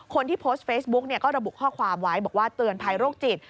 คนที่โพสต์เฟซบุ๊กก็ระบุข้อความไว้บอกว่าเตือนภัยโรคจิต